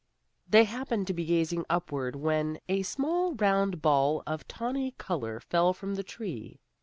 They happened to be gazing upward when a small round ball of tawny color fell from the tree.